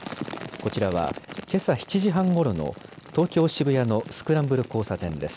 こちらはけさ７時半ごろの東京渋谷のスクランブル交差点です。